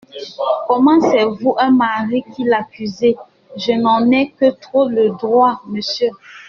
Comment ! c'est vous, un mari, qui l'accusez ? Je n'en ai que trop le droit, monsieur.